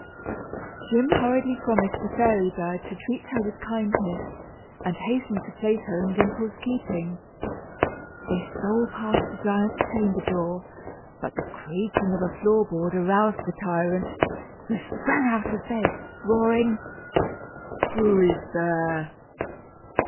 Jim hurriedly promised the fairy bird to treat her with kindness, and hastened to place her in Dimple's keeping. They stole past the giant's chamber door, but the creaking of a board aroused the tyrant, who sprang out of bed, roaring, "Who is there?